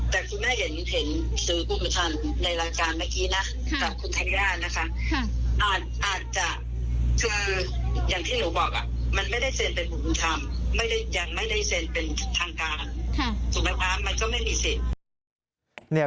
สมมุติคะเราก็ไม่มีศิลป์